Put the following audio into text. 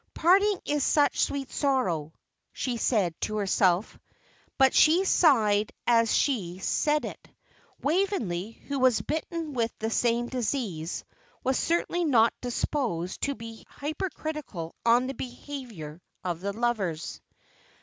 "Parting is such sweet sorrow," she said to herself; but she sighed as she said it. Waveney, who was bitten with the same disease, was certainly not disposed to be hypercritical on the behaviour of the lovers.